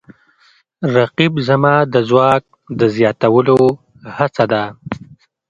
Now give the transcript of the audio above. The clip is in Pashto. رقیب زما د ځواک د زیاتولو هڅه ده